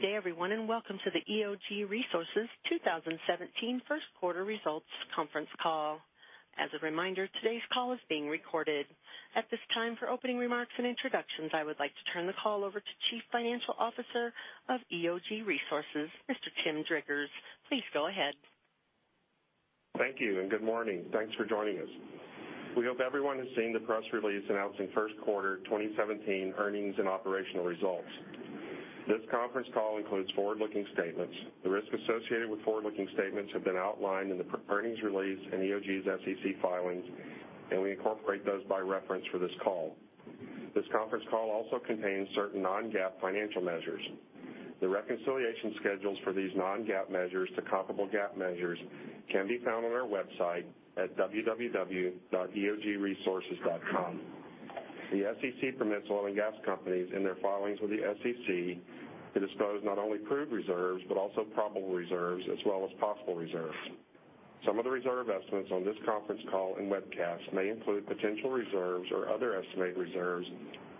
Good day everyone, welcome to the EOG Resources 2017 first quarter results conference call. As a reminder, today's call is being recorded. At this time, for opening remarks and introductions, I would like to turn the call over to Chief Financial Officer of EOG Resources, Mr. Tim Driggers. Please go ahead. Thank you, good morning. Thanks for joining us. We hope everyone has seen the press release announcing first quarter 2017 earnings and operational results. This conference call includes forward-looking statements. The risks associated with forward-looking statements have been outlined in the earnings release and EOG's SEC filings, we incorporate those by reference for this call. This conference call also contains certain non-GAAP financial measures. The reconciliation schedules for these non-GAAP measures to comparable GAAP measures can be found on our website at www.eogresources.com. The SEC permits oil and gas companies, in their filings with the SEC, to disclose not only proved reserves, but also probable reserves, as well as possible reserves. Some of the reserve estimates on this conference call and webcast may include potential reserves or other estimated reserves,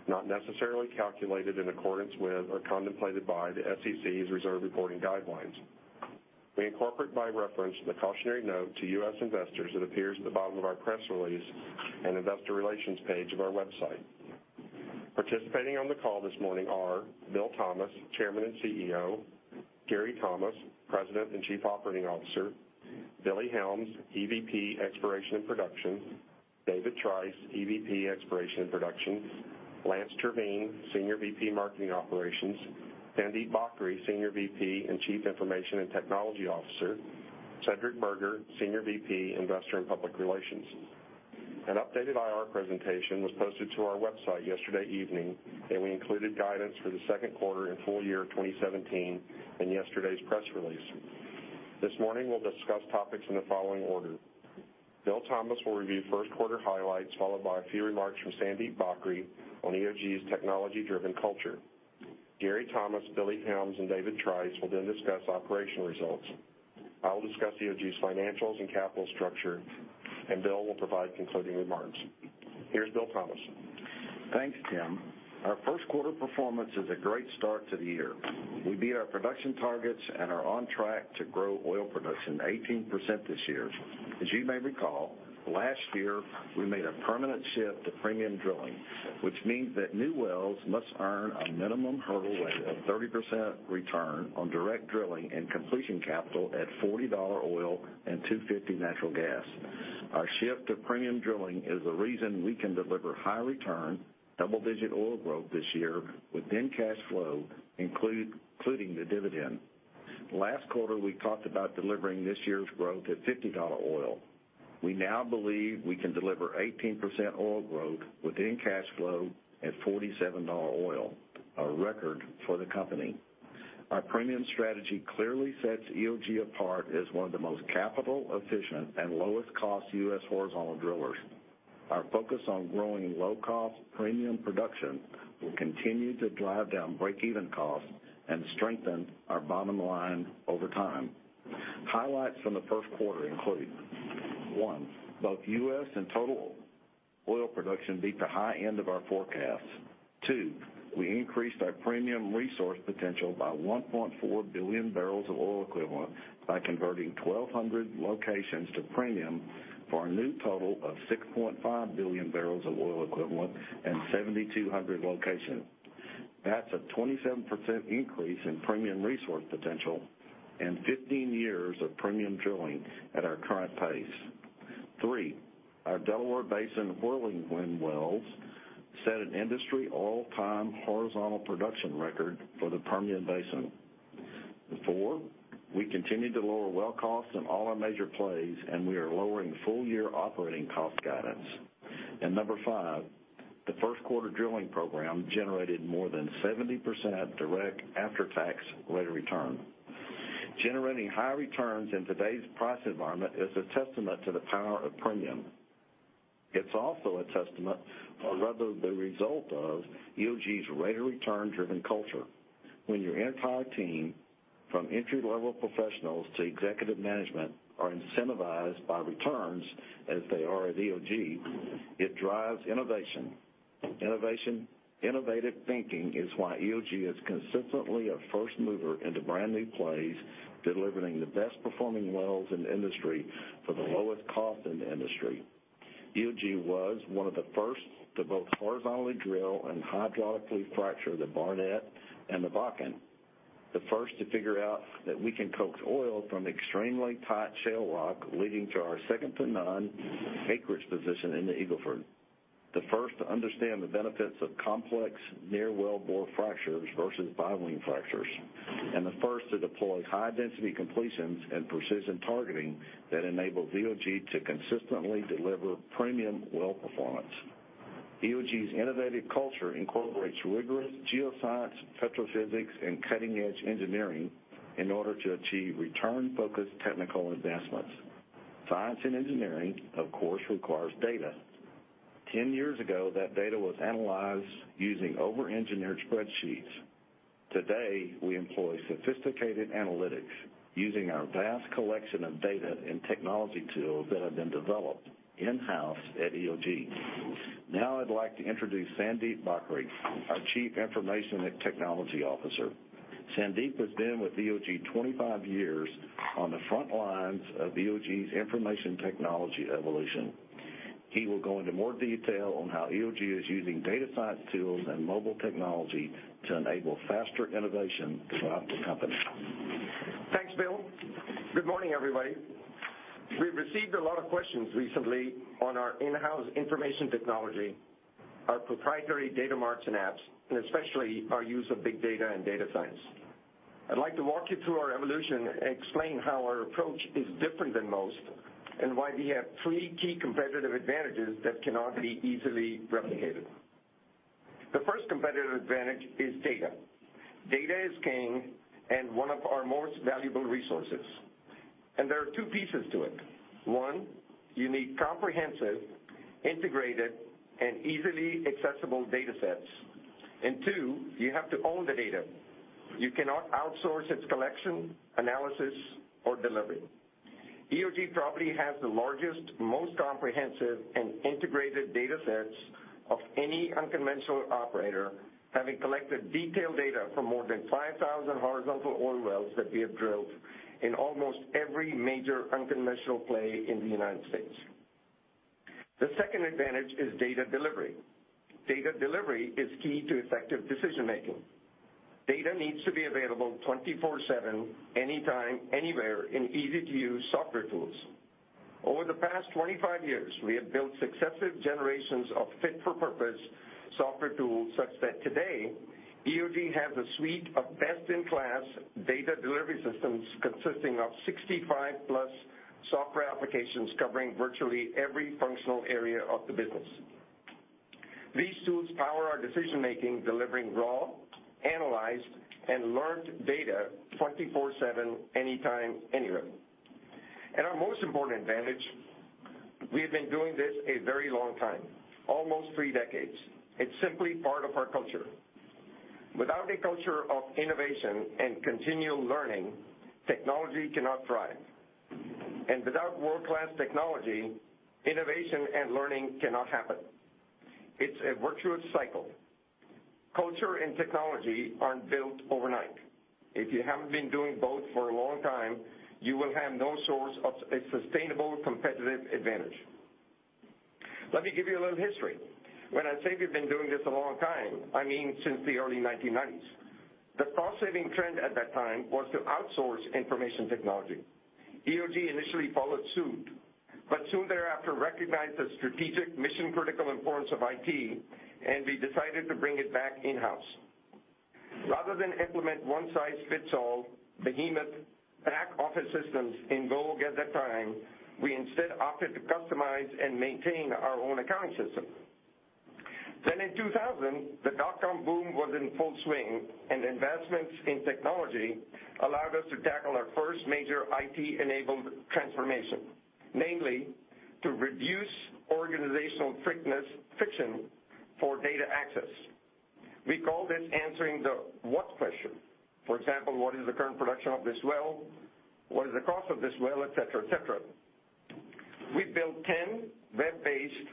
not necessarily calculated in accordance with or contemplated by the SEC's reserve reporting guidelines. We incorporate by reference the cautionary note to U.S. investors that appears at the bottom of our press release and investor relations page of our website. Participating on the call this morning are Bill Thomas, Chairman and CEO; Gary Thomas, President and Chief Operating Officer; Billy Helms, EVP Exploration and Production; David Trice, EVP Exploration and Production; Lance Terveen, Senior VP Marketing Operations; Sandeep Bhakhri, Senior VP and Chief Information and Technology Officer; Cedric Burgher, Senior VP Investor and Public Relations. An updated IR presentation was posted to our website yesterday evening, we included guidance for the second quarter and full year 2017 in yesterday's press release. This morning we'll discuss topics in the following order. Bill Thomas will review first quarter highlights, followed by a few remarks from Sandeep Bhakhri on EOG's technology-driven culture. Gary Thomas, Billy Helms, and David Trice will discuss operational results. I will discuss EOG's financials and capital structure, Bill will provide concluding remarks. Here's Bill Thomas. Thanks, Tim. Our first quarter performance is a great start to the year. We beat our production targets and are on track to grow oil production 18% this year. As you may recall, last year we made a permanent shift to premium drilling, which means that new wells must earn a minimum hurdle rate of 30% return on direct drilling and completion capital at $40 oil and $250 natural gas. Our shift to premium drilling is the reason we can deliver high return, double-digit oil growth this year within cash flow, including the dividend. Last quarter, we talked about delivering this year's growth at $50 oil. We now believe we can deliver 18% oil growth within cash flow at $47 oil, a record for the company. Our premium strategy clearly sets EOG apart as one of the most capital-efficient and lowest cost U.S. horizontal drillers. Our focus on growing low cost premium production will continue to drive down break-even costs and strengthen our bottom line over time. Highlights from the first quarter include, one, both U.S. and total oil production beat the high end of our forecasts. Two, we increased our premium resource potential by 1.4 billion barrels of oil equivalent by converting 1,200 locations to premium for a new total of 6.5 billion barrels of oil equivalent and 7,200 locations. That's a 27% increase in premium resource potential and 15 years of premium drilling at our current pace. Three, our Delaware Basin Whirling Wind wells set an industry all-time horizontal production record for the Permian Basin. Four, we continued to lower well costs in all our major plays, and we are lowering full year operating cost guidance. Number five, the first quarter drilling program generated more than 70% direct after-tax rate of return. Generating high returns in today's price environment is a testament to the power of premium. It's also a testament, or rather the result of, EOG's rate of return-driven culture. When your entire team, from entry-level professionals to executive management, are incentivized by returns as they are at EOG, it drives innovation. Innovative thinking is why EOG is consistently a first mover into brand new plays, delivering the best performing wells in the industry for the lowest cost in the industry. EOG was one of the first to both horizontally drill and hydraulically fracture the Barnett and the Bakken. The first to figure out that we can coax oil from extremely tight shale rock, leading to our second to none acreage position in the Eagle Ford. The first to understand the benefits of complex near well bore fractures versus bi-wing fractures, and the first to deploy high density completions and precision targeting that enables EOG to consistently deliver premium well performance. EOG's innovative culture incorporates rigorous geoscience, petrophysics, and cutting-edge engineering in order to achieve return-focused technical advancements. Science and engineering, of course, requires data. 10 years ago, that data was analyzed using over-engineered spreadsheets. Today, we employ sophisticated analytics using our vast collection of data and technology tools that have been developed in-house at EOG. Now I'd like to introduce Sandeep Bhakhri, our Chief Information and Technology Officer. Sandeep has been with EOG 25 years on the front lines of EOG's information technology evolution. He will go into more detail on how EOG is using data science tools and mobile technology to enable faster innovation throughout the company. Thanks, Bill. Good morning, everybody. We've received a lot of questions recently on our in-house information technology, our proprietary data marts and apps, and especially our use of big data and data science. I'd like to walk you through our evolution and explain how our approach is different than most, and why we have three key competitive advantages that cannot be easily replicated. The first competitive advantage is data. Data is king and one of our most valuable resources, and there are two pieces to it. One, you need comprehensive, integrated, and easily accessible data sets. Two, you have to own the data. You cannot outsource its collection, analysis, or delivery. EOG probably has the largest, most comprehensive, and integrated data sets of any unconventional operator, having collected detailed data from more than 5,000 horizontal oil wells that we have drilled in almost every major unconventional play in the United States. The second advantage is data delivery. Data delivery is key to effective decision-making. Data needs to be available 24/7, anytime, anywhere, in easy-to-use software tools. Over the past 25 years, we have built successive generations of fit-for-purpose software tools such that today, EOG has a suite of best-in-class data delivery systems consisting of 65-plus software applications covering virtually every functional area of the business. These tools power our decision-making, delivering raw, analyzed, and learned data 24/7, anytime, anywhere. Our most important advantage, we have been doing this a very long time, almost three decades. It's simply part of our culture. Without a culture of innovation and continual learning, technology cannot thrive. Without world-class technology, innovation and learning cannot happen. It's a virtuous cycle. Culture and technology aren't built overnight. If you haven't been doing both for a long time, you will have no source of a sustainable competitive advantage. Let me give you a little history. When I say we've been doing this a long time, I mean since the early 1990s. The cost-saving trend at that time was to outsource information technology. EOG initially followed suit, but soon thereafter recognized the strategic mission-critical importance of IT, and we decided to bring it back in-house. Rather than implement one-size-fits-all behemoth back office systems en vogue at that time, we instead opted to customize and maintain our own accounting system. In 2000, the dot-com boom was in full swing, and investments in technology allowed us to tackle our first major IT-enabled transformation, namely to reduce organizational friction for data access. We call this answering the what question. For example, what is the current production of this well? What is the cost of this well? Et cetera. We built 10 web-based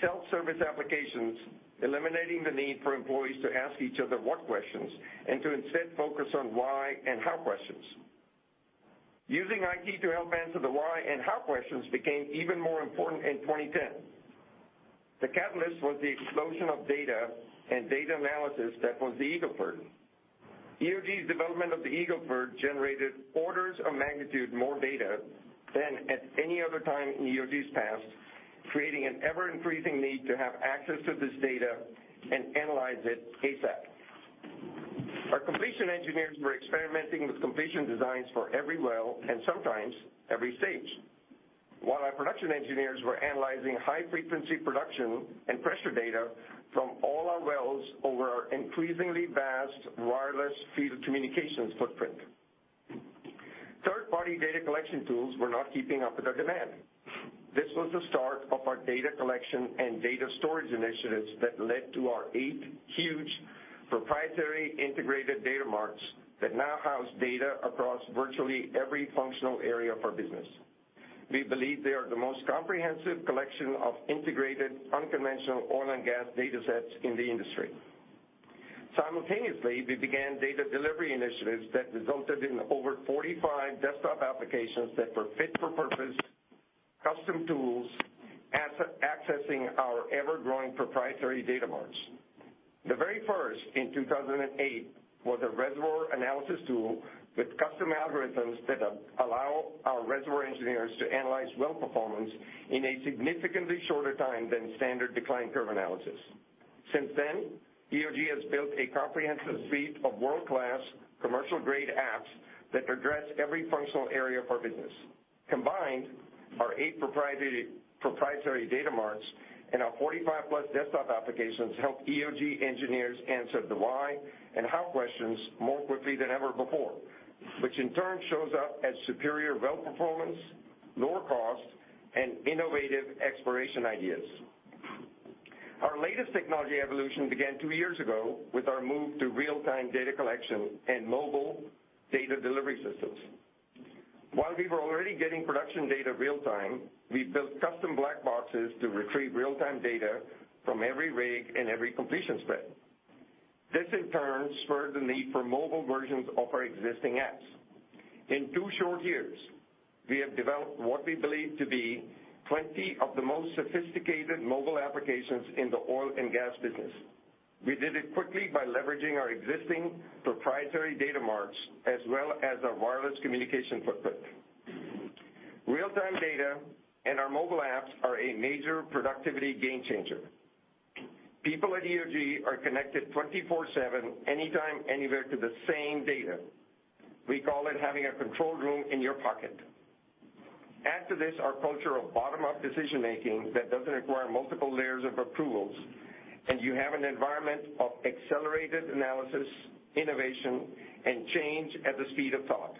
self-service applications eliminating the need for employees to ask each other what questions and to instead focus on why and how questions. Using IT to help answer the why and how questions became even more important in 2010. The catalyst was the explosion of data and data analysis that was the Eagle Ford. EOG's development of the Eagle Ford generated orders of magnitude more data than at any other time in EOG's past, creating an ever-increasing need to have access to this data and analyze it ASAP. Our completion engineers were experimenting with completion designs for every well, and sometimes every stage, while our production engineers were analyzing high-frequency production and pressure data from all our wells over our increasingly vast wireless field communications footprint. Third-party data collection tools were not keeping up with the demand. This was the start of our data collection and data storage initiatives that led to our eight huge proprietary integrated data marts that now house data across virtually every functional area of our business. We believe they are the most comprehensive collection of integrated unconventional oil and gas data sets in the industry. Simultaneously, we began data delivery initiatives that resulted in over 45 desktop applications that were fit-for-purpose custom tools accessing our ever-growing proprietary data marts. The very first in 2008 was a reservoir analysis tool with custom algorithms that allow our reservoir engineers to analyze well performance in a significantly shorter time than standard decline curve analysis. Since then, EOG has built a comprehensive suite of world-class commercial-grade apps that address every functional area of our business. Combined, our eight proprietary data marts and our 45-plus desktop applications help EOG engineers answer the why and how questions more quickly than ever before, which in turn shows up as superior well performance, lower cost, and innovative exploration ideas. Our latest technology evolution began two years ago with our move to real-time data collection and mobile data delivery systems. While we were already getting production data real-time, we built custom black boxes to retrieve real-time data from every rig and every completion spread. This in turn spurred the need for mobile versions of our existing apps. In two short years, we have developed what we believe to be 20 of the most sophisticated mobile applications in the oil and gas business. We did it quickly by leveraging our existing proprietary data marts, as well as our wireless communication footprint. Real-time data and our mobile apps are a major productivity game changer. People at EOG are connected 24/7, anytime, anywhere, to the same data. We call it having a control room in your pocket. Add to this our culture of bottom-up decision-making that doesn't require multiple layers of approvals, and you have an environment of accelerated analysis, innovation, and change at the speed of thought.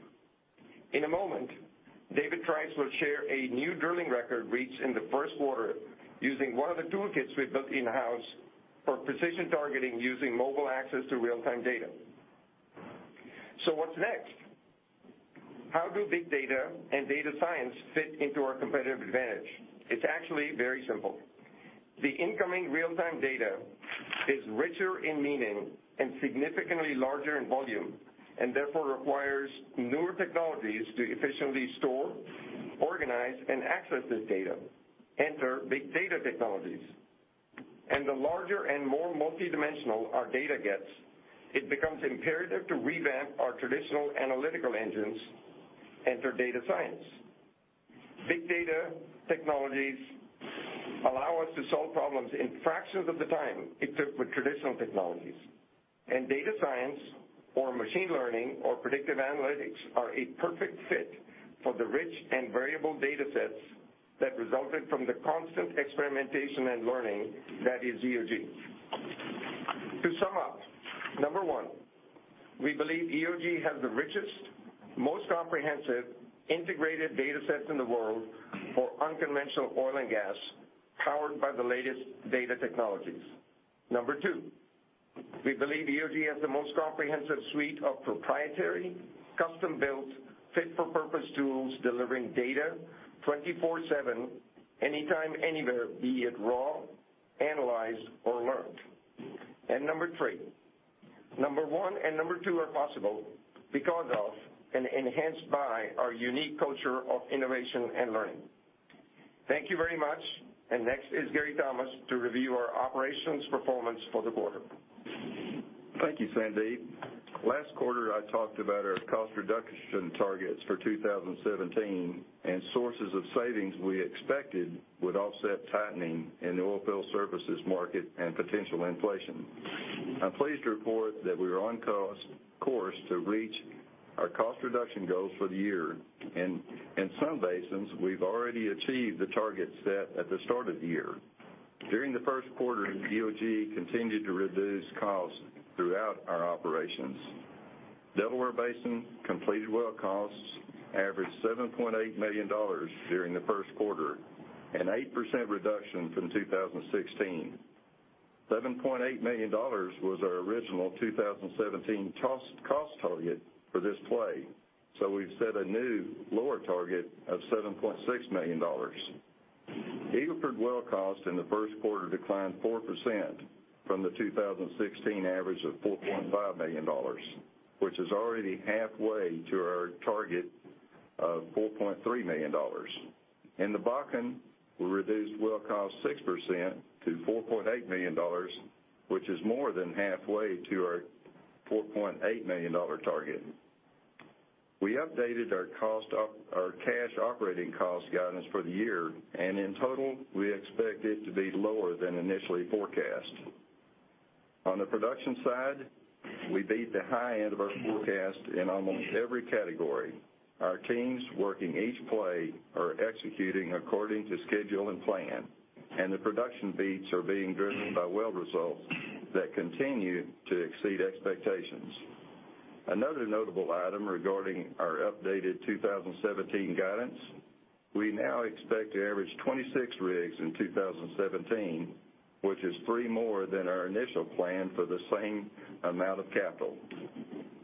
In a moment, David Trice will share a new drilling record reached in the first quarter using one of the toolkits we built in-house for precision targeting using mobile access to real-time data. What's next? How do big data and data science fit into our competitive advantage? It's actually very simple. The incoming real-time data is richer in meaning and significantly larger in volume, therefore requires newer technologies to efficiently store, organize, and access this data. Enter big data technologies. The larger and more multidimensional our data gets, it becomes imperative to revamp our traditional analytical engines. Enter data science. Big data technologies allow us to solve problems in fractions of the time it took with traditional technologies. Data science or machine learning or predictive analytics are a perfect fit for the rich and variable data sets that resulted from the constant experimentation and learning that is EOG. To sum up, number one, we believe EOG has the richest, most comprehensive integrated data sets in the world for unconventional oil and gas powered by the latest data technologies. Number two, we believe EOG has the most comprehensive suite of proprietary, custom-built, fit-for-purpose tools delivering data 24/7, anytime, anywhere, be it raw, analyzed, or learned. Number three, number one and number two are possible because of and enhanced by our unique culture of innovation and learning. Thank you very much. Next is Gary Thomas to review our operations performance for the quarter. Thank you, Sandeep. Last quarter, I talked about our cost reduction targets for 2017 and sources of savings we expected would offset tightening in the oilfield services market and potential inflation. I'm pleased to report that we are on course to reach our cost reduction goals for the year. In some basins, we've already achieved the targets set at the start of the year. During the first quarter, EOG continued to reduce costs throughout our operations. Delaware Basin completed well costs averaged $7.8 million during the first quarter, an 8% reduction from 2016. $7.8 million was our original 2017 cost target for this play, so we've set a new lower target of $7.6 million. Eagle Ford well cost in the first quarter declined 4% from the 2016 average of $4.5 million, which is already halfway to our target of $4.3 million. In the Bakken, we reduced well cost 6% to $4.8 million, which is more than halfway to our $4.8 million target. We updated our cash operating cost guidance for the year. In total, we expect it to be lower than initially forecast. On the production side, we beat the high end of our forecast in almost every category. Our teams working each play are executing according to schedule and plan, and the production beats are being driven by well results that continue to exceed expectations. Another notable item regarding our updated 2017 guidance, we now expect to average 26 rigs in 2017, which is three more than our initial plan for the same amount of capital.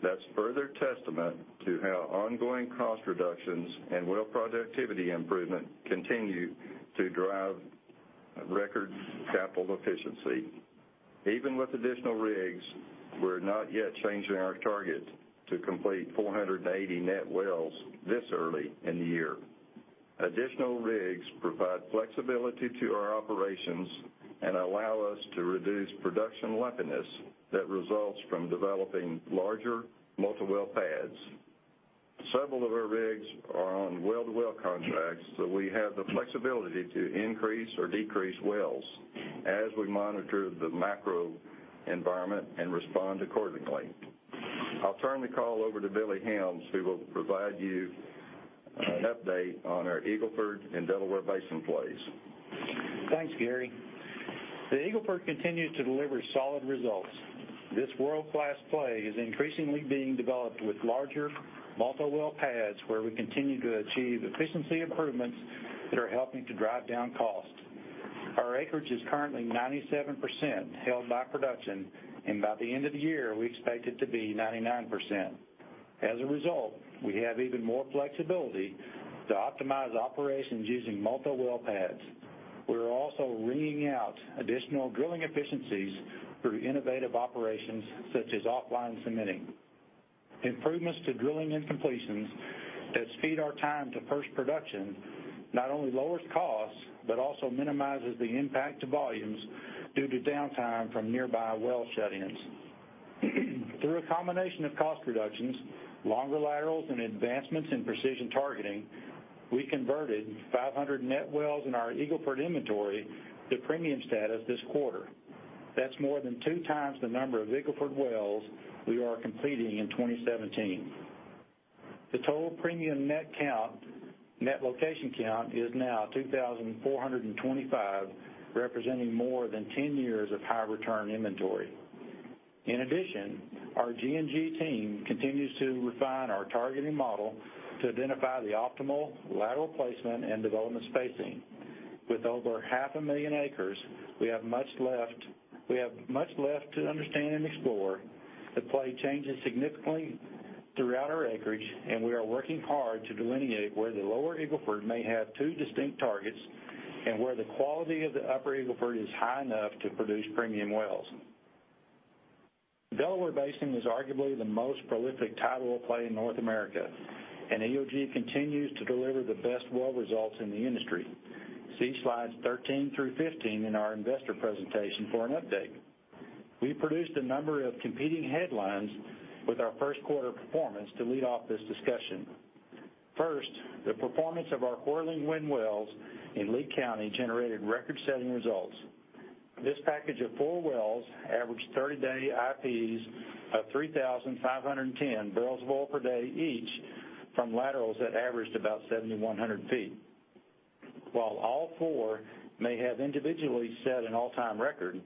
That's further testament to how ongoing cost reductions and well productivity improvement continue to drive record capital efficiency. Even with additional rigs, we're not yet changing our target to complete 480 net wells this early in the year. Additional rigs provide flexibility to our operations and allow us to reduce production lumpiness that results from developing larger multi-well pads. Several of our rigs are on well-to-well contracts, so we have the flexibility to increase or decrease wells as we monitor the macro environment and respond accordingly. I'll turn the call over to Billy Helms, who will provide you an update on our Eagle Ford and Delaware Basin plays. Thanks, Gary. The Eagle Ford continued to deliver solid results. This world-class play is increasingly being developed with larger multi-well pads where we continue to achieve efficiency improvements that are helping to drive down cost. Our acreage is currently 97% held by production, and by the end of the year, we expect it to be 99%. As a result, we have even more flexibility to optimize operations using multiple well pads. We're also wringing out additional drilling efficiencies through innovative operations such as offline cementing. Improvements to drilling and completions that speed our time to first production not only lowers costs, but also minimizes the impact to volumes due to downtime from nearby well shut-ins. Through a combination of cost reductions, longer laterals, and advancements in precision targeting, we converted 500 net wells in our Eagle Ford inventory to premium status this quarter. That's more than two times the number of Eagle Ford wells we are completing in 2017. The total premium net location count is now 2,425, representing more than 10 years of high return inventory. In addition, our G&G team continues to refine our targeting model to identify the optimal lateral placement and development spacing. With over half a million acres, we have much left to understand and explore. The play changes significantly throughout our acreage, and we are working hard to delineate where the lower Eagle Ford may have two distinct targets, and where the quality of the upper Eagle Ford is high enough to produce premium wells. The Delaware Basin is arguably the most prolific tight oil play in North America, and EOG continues to deliver the best well results in the industry. See slides 13 through 15 in our investor presentation for an update. We produced a number of competing headlines with our first quarter performance to lead off this discussion. First, the performance of our Whirling Wind wells in Lee County generated record-setting results. This package of four wells averaged 30-day IPs of 3,510 barrels of oil per day each from laterals that averaged about 7,100 feet. While all four may have individually set an all-time record,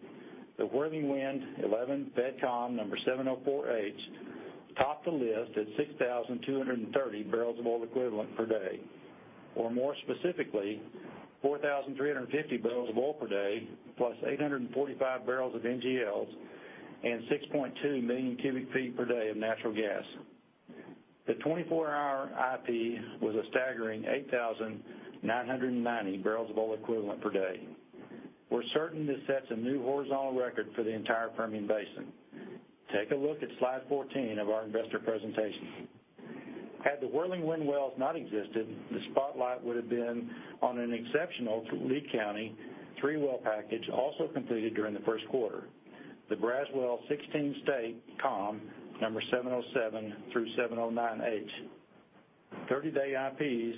the Whirling Wind 11 Fed Com number 704H topped the list at 6,230 barrels of oil equivalent per day. Or more specifically, 4,350 barrels of oil per day, plus 845 barrels of NGLs and 6.2 million cubic feet per day of natural gas. The 24-hour IP was a staggering 8,990 barrels of oil equivalent per day. We're certain this sets a new horizontal record for the entire Permian Basin. Take a look at slide 14 of our investor presentation. Had the Whirling Wind wells not existed, the spotlight would've been on an exceptional Lee County three-well package also completed during the first quarter. The Braswell 16 State Comm number 707-709H. 30-day IPs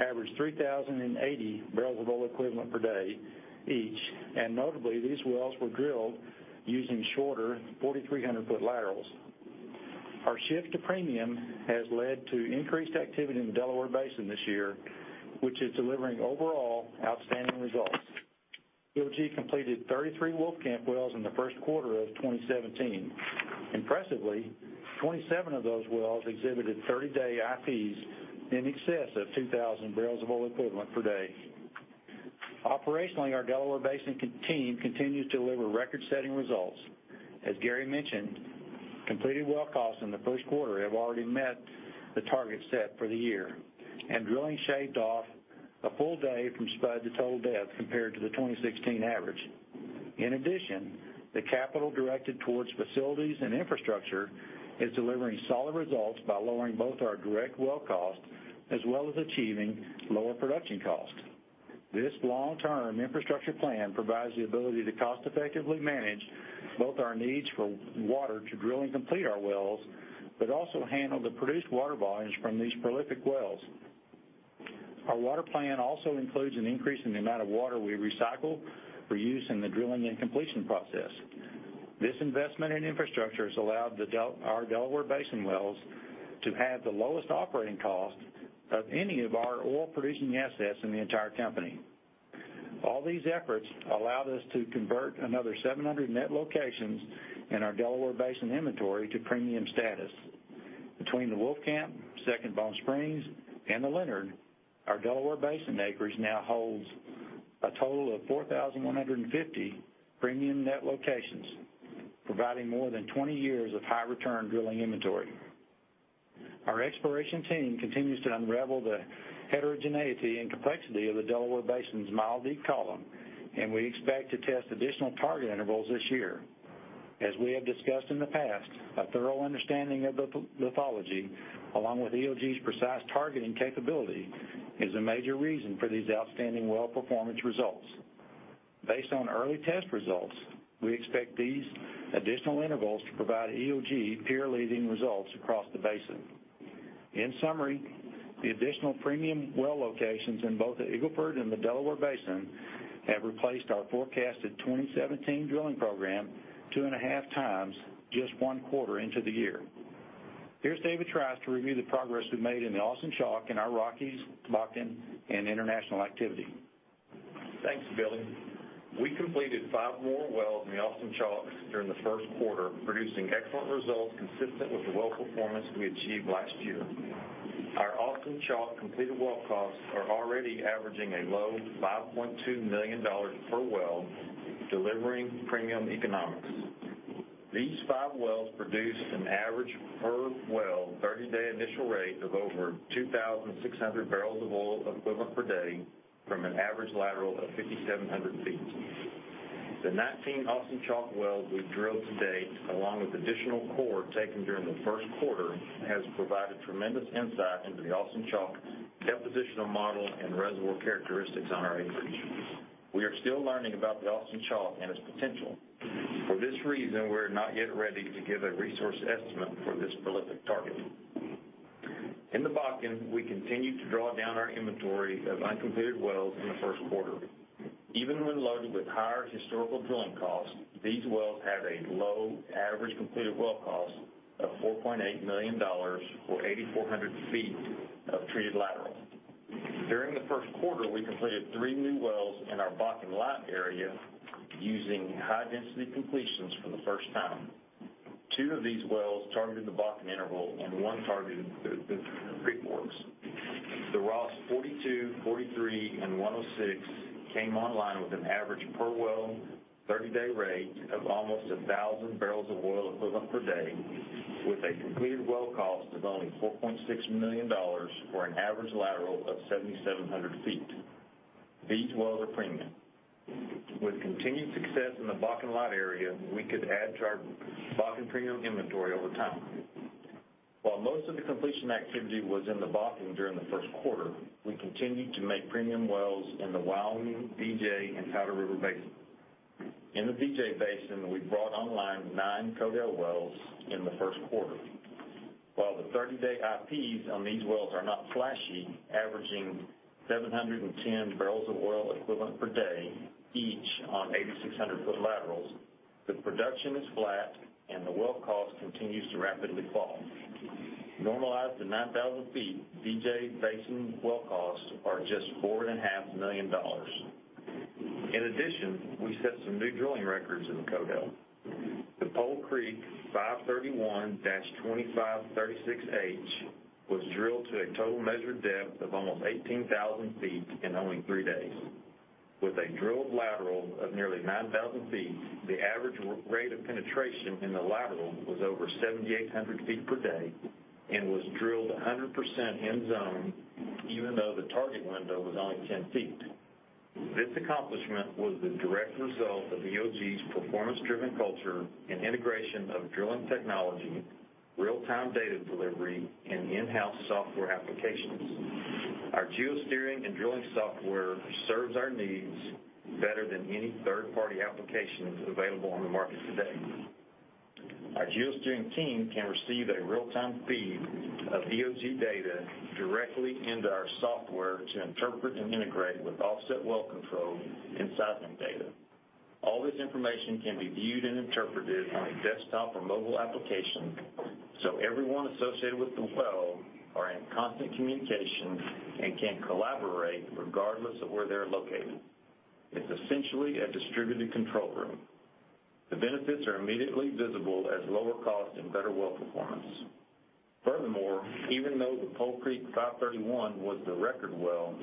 averaged 3,080 barrels of oil equivalent per day each, and notably, these wells were drilled using shorter 4,300-foot laterals. Our shift to premium has led to increased activity in the Delaware Basin this year, which is delivering overall outstanding results. EOG completed 33 Wolfcamp wells in the first quarter of 2017. Impressively, 27 of those wells exhibited 30-day IPs in excess of 2,000 barrels of oil equivalent per day. Operationally, our Delaware Basin team continues to deliver record-setting results. As Gary mentioned, completed well costs in the first quarter have already met the target set for the year, and drilling shaved off a full day from spud to total depth compared to the 2016 average. In addition, the capital directed towards facilities and infrastructure is delivering solid results by lowering both our direct well cost, as well as achieving lower production costs. This long-term infrastructure plan provides the ability to cost effectively manage both our needs for water to drill and complete our wells, but also handle the produced water volumes from these prolific wells. Our water plan also includes an increase in the amount of water we recycle for use in the drilling and completion process. This investment in infrastructure has allowed our Delaware Basin wells to have the lowest operating cost of any of our oil-producing assets in the entire company. All these efforts allowed us to convert another 700 net locations in our Delaware Basin inventory to premium status. Between the Wolfcamp, Second Bone Springs, and the Leonard, our Delaware Basin acreage now holds a total of 4,150 premium net locations, providing more than 20 years of high return drilling inventory. Our exploration team continues to unravel the heterogeneity and complexity of the Delaware Basin's mile deep column, and we expect to test additional target intervals this year. As we have discussed in the past, a thorough understanding of the lithology, along with EOG's precision targeting capability, is a major reason for these outstanding well performance results. Based on early test results, we expect these additional intervals to provide EOG peer-leading results across the basin. In summary, the additional premium well locations in both the Eagle Ford and the Delaware Basin have replaced our forecasted 2017 drilling program two and a half times just one quarter into the year. Here's David Trice to review the progress we've made in the Austin Chalk and our Rockies Bakken and international activity. Thanks, Billy. We completed five more wells in the Austin Chalk during the first quarter, producing excellent results consistent with the well performance we achieved last year. Our Austin Chalk completed well costs are already averaging a low $5.2 million per well, delivering premium economics. These five wells produced an average per well 30-day initial rate of over 2,600 barrels of oil equivalent per day from an average lateral of 5,700 feet. The 19 Austin Chalk wells we've drilled to date, along with additional core taken during the first quarter, has provided tremendous insight into the Austin Chalk depositional model and reservoir characteristics on our acreage. We are still learning about the Austin Chalk and its potential. For this reason, we're not yet ready to give a resource estimate for this prolific target. In the Bakken, we continued to draw down our inventory of uncompleted wells in the first quarter. Even when loaded with higher historical drilling costs, these wells have a low average completed well cost of $4.8 million for 8,400 feet of treated laterals. During the first quarter, we completed three new wells in our Bakken Lat area using high density completions for the first time. Two of these wells targeted the Bakken interval and one targeted the Three Forks. The Ross 42, 43, and 106 came online with an average per well 30-day rate of almost 1,000 barrels of oil equivalent per day with a completed well cost of only $4.6 million for an average lateral of 7,700 feet. These wells are premium. With continued success in the Bakken Lat area, we could add to our Bakken premium inventory over time. While most of the completion activity was in the Bakken during the first quarter, we continued to make premium wells in the Wyoming, DJ, and Powder River Basin. In the DJ Basin, we brought online nine Codell wells in the first quarter. While the 30-day IPs on these wells are not flashy, averaging 710 barrels of oil equivalent per day, each on 8,600-foot laterals, the production is flat, and the well cost continues to rapidly fall. Normalized to 9,000 feet, DJ Basin well costs are just $4.5 million. In addition, we set some new drilling records in the Codell. The Pole Creek 531-2536H was drilled to a total measured depth of almost 18,000 feet in only three days. With a drilled lateral of nearly 9,000 feet, the average rate of penetration in the lateral was over 7,800 feet per day and was drilled 100% in zone even though the target window was only 10 feet. This accomplishment was the direct result of EOG's performance-driven culture and integration of drilling technology, real-time data delivery, and in-house software applications. Our geo-steering and drilling software serves our needs better than any third-party applications available on the market today. Our geo-steering team can receive a real-time feed of EOG data directly into our software to interpret and integrate with offset well control and seismic data. All this information can be viewed and interpreted on a desktop or mobile application, everyone associated with the well are in constant communication and can collaborate regardless of where they're located. It's essentially a distributed control room. The benefits are immediately visible as lower cost and better well performance. Furthermore, even though the Pole Creek 531 was the record well,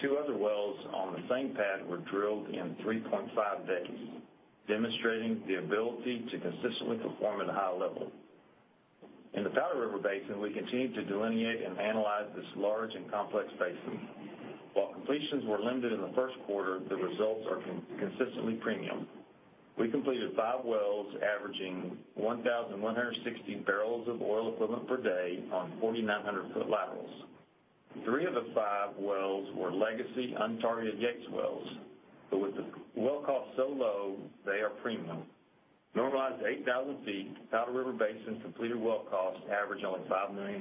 two other wells on the same pad were drilled in 3.5 days, demonstrating the ability to consistently perform at a high level. In the Powder River Basin, we continue to delineate and analyze this large and complex basin. While completions were limited in the first quarter, the results are consistently premium. We completed five wells averaging 1,160 barrels of oil equivalent per day on 4,900-foot laterals. Three of the five wells were legacy untargeted Yates wells, with the well cost so low, they are premium. Normalized to 8,000 feet, Powder River Basin completed well costs average only $5 million.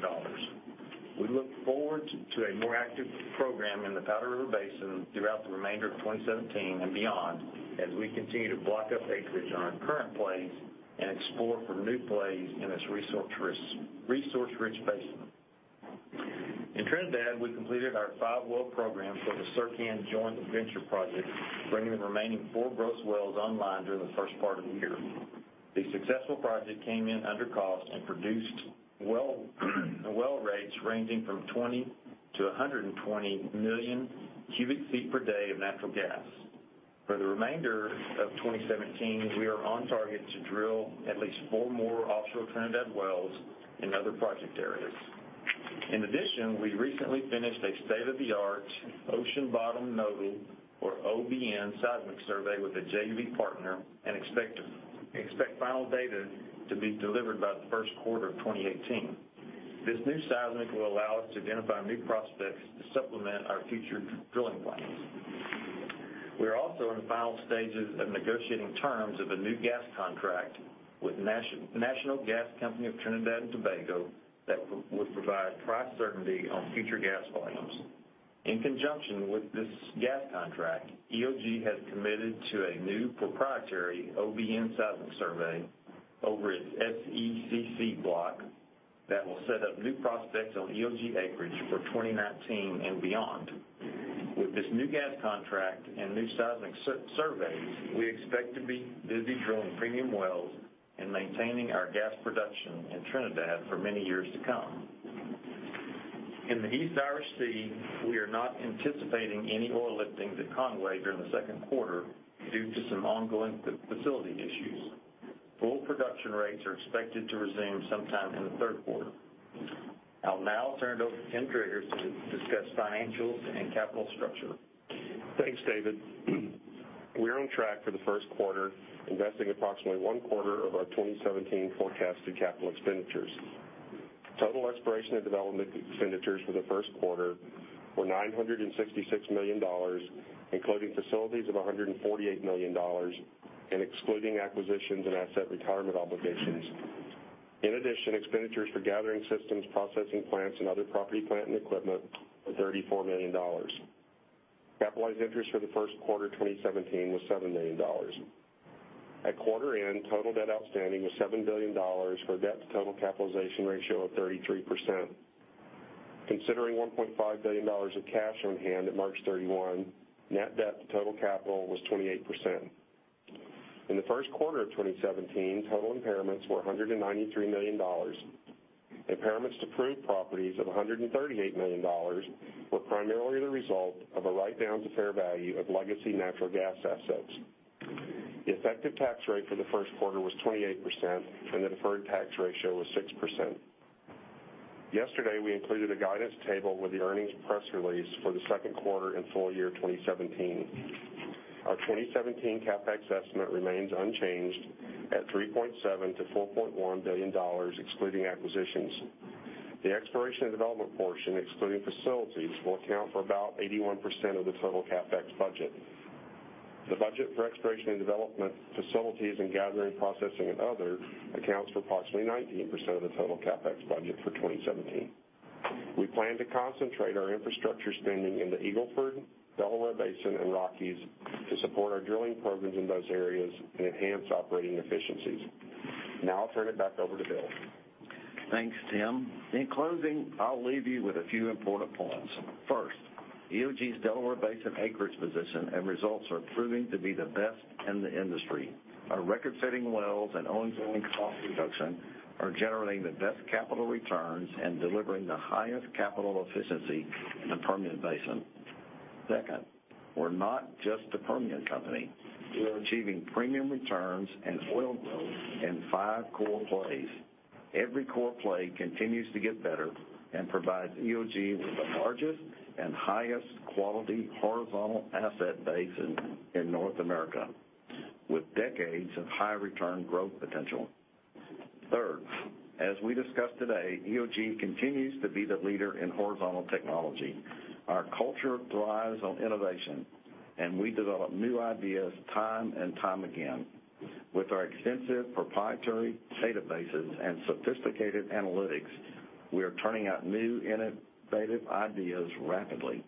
We look forward to a more active program in the Powder River Basin throughout the remainder of 2017 and beyond as we continue to block up acreage on our current plays and explore for new plays in this resource-rich basin. In Trinidad, we completed our five-well program for the Sercan joint venture project, bringing the remaining four gross wells online during the first part of the year. The successful project came in under cost and produced well rates ranging from 20 to 120 million cubic feet per day of natural gas. For the remainder of 2017, we are on target to drill at least four more offshore Trinidad wells in other project areas. In addition, we recently finished a state-of-the-art ocean bottom node or OBN seismic survey with a JV partner and expect final data to be delivered by the first quarter of 2018. This new seismic will allow us to identify new prospects to supplement our future drilling plans. We are also in the final stages of negotiating terms of a new gas contract with National Gas Company of Trinidad and Tobago that would provide price certainty on future gas volumes. In conjunction with this gas contract, EOG has committed to a new proprietary OBN seismic survey over its SECC block that will set up new prospects on EOG acreage for 2019 and beyond. With this new gas contract and new seismic surveys, we expect to be busy drilling premium wells and maintaining our gas production in Trinidad for many years to come. In the East Irish Sea, we are not anticipating any oil lifting to Conwy during the second quarter due to some ongoing facility issues. Full production rates are expected to resume sometime in the third quarter. I'll now turn it over to Tim Driggers to discuss financials and capital structure. Thanks, David. We're on track for the first quarter, investing approximately one quarter of our 2017 forecasted capital expenditures. Total exploration and development expenditures for the first quarter were $966 million, including facilities of $148 million and excluding acquisitions and asset retirement obligations. In addition, expenditures for gathering systems, processing plants, and other property, plant, and equipment were $34 million. Capitalized interest for the first quarter 2017 was $7 million. At quarter end, total debt outstanding was $7 billion for a debt-to-total capitalization ratio of 33%. Considering $1.5 billion of cash on hand at March 31, net debt to total capital was 28%. In the first quarter of 2017, total impairments were $193 million. Impairments to proved properties of $138 million were primarily the result of a write-down to fair value of legacy natural gas assets. The effective tax rate for the first quarter was 28%, and the deferred tax ratio was 6%. Yesterday, we included a guidance table with the earnings press release for the second quarter and full year 2017. Our 2017 CapEx estimate remains unchanged at $3.7 billion-$4.1 billion, excluding acquisitions. The exploration and development portion, excluding facilities, will account for about 81% of the total CapEx budget. The budget for exploration and development facilities and gathering, processing, and other accounts for approximately 19% of the total CapEx budget for 2017. We plan to concentrate our infrastructure spending in the Eagle Ford, Delaware Basin, and Rockies to support our drilling programs in those areas and enhance operating efficiencies. Now I'll turn it back over to Bill. Thanks, Tim. In closing, I'll leave you with a few important points. First, EOG's Delaware Basin acreage position and results are proving to be the best in the industry. Our record-setting wells and ongoing cost reduction are generating the best capital returns and delivering the highest capital efficiency in the Permian Basin. Second, we're not just a Permian company. We are achieving premium returns and oil growth in five core plays. Every core play continues to get better and provides EOG with the largest and highest quality horizontal asset basin in North America, with decades of high return growth potential. Third, as we discussed today, EOG continues to be the leader in horizontal technology. Our culture thrives on innovation, and we develop new ideas time and time again. With our extensive proprietary databases and sophisticated analytics, we are turning out new innovative ideas rapidly.